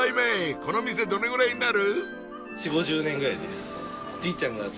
この店どれぐらいになる？